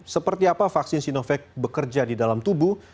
seperti apa vaksin sinovac bekerja di dalam tubuh